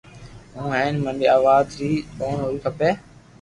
ھون ھين مني آوات ري جوڻ ھووي کمي